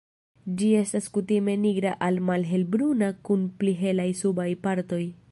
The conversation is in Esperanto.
Ĝi estas kutime nigra al malhelbruna kun pli helaj subaj partoj.